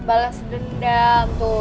balas dendam tuh